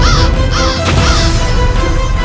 aku tidak bisa mainworthy